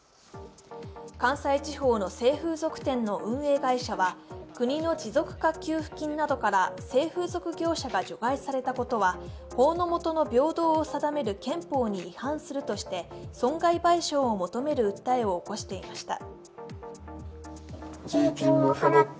関西地方の性風俗店の運営会社は国の持続化給付金などから性風俗業者が除外されたことは法の下の平等を定める憲法に違反するとして、損害賠償を求める訴えを起こしていました。